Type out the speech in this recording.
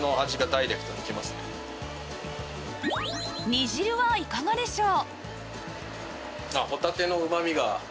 煮汁はいかがでしょう？